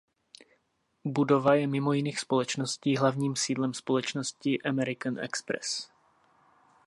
Budova je mimo jiných společností hlavním sídlem společnosti American Express.